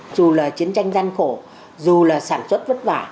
dù là chiến tranh gian khổ dù là sản xuất vất vả